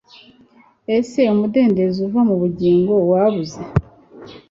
Ese umudendezo uva mubugingo wabuze